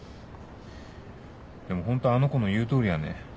でもホントあの子の言うとおりやね。